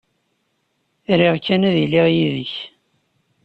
Riɣ kan ad iliɣ yid-k.